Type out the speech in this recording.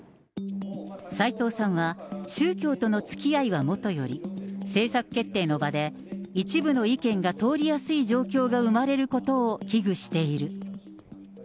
斉藤さんは、宗教とのつきあいはもとより、政策決定の場で、一部の意見が通りやすい状況が生まれることを危ぐしている。